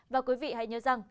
và quý vị hãy nhớ rằng